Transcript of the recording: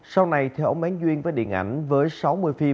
sau này theo ổng mến duyên với điện ảnh